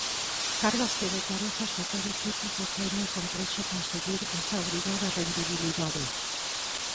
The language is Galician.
Cárgaste de tarefas de todo tipo que fai moi complexo conseguir esa obrigada rendibilidade.